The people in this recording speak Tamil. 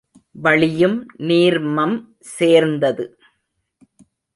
வளியும் நீர்மம் சேர்ந்தது.